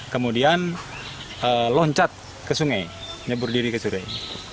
kemudian loncat ke sungai nyebur diri ke sungai